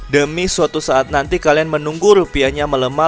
demi suatu saat nanti kalian menunggu rupiahnya melemah